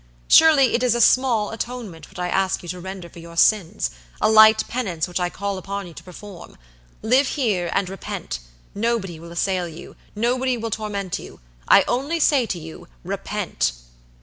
Surely, it is a small atonement which I ask you to render for your sins, a light penance which I call upon you to perform. Live here and repent; nobody will assail you, nobody will torment you. I only say to you, repent!"